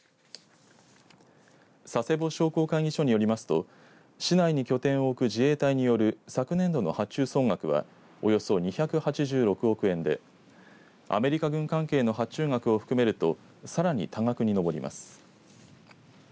佐世保商工会議所によりますと市内に拠点を置く自衛隊による昨年度の発注総額はおよそ２８６億円でアメリカ軍関係の発注額を含めるとさらに多額に上ります。